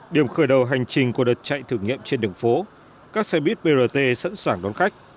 điểm khởi đầu hành trình của đợt chạy thử nghiệm trên đường phố các xe buýt brt sẵn sàng đón khách